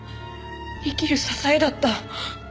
生きる支えだった。